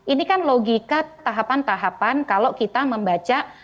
ini kan logika tahapan tahapan kalau kita membaca